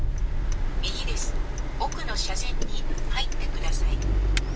奥の車線に入ってください。